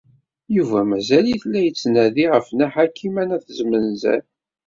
Yuba mazal-it la yettnadi ɣef Nna Ḥakima n At Zmenzer.